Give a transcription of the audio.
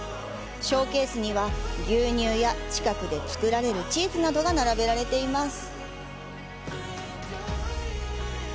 ショーケースには、牛乳や近くで作られるチーズなどが並べられています。